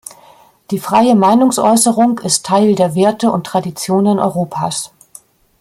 Die freie Meinungsäußerung ist Teil der Werte und Traditionen Europas.